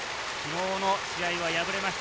昨日の試合は敗れました。